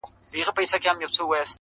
باریکي لري تمام دېوان زما -